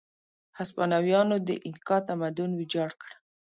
هسپانویانو د اینکا تمدن ویجاړ کړ.